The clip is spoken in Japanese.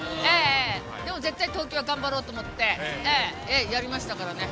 でも絶対、東京は頑張ろうと思ってやりましたからね。